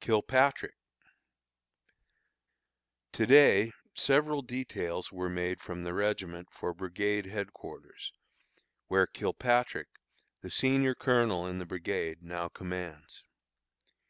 KILPATRICK. To day several details were made from the regiment for brigade headquarters, where Kilpatrick, the senior colonel in the brigade, now commands.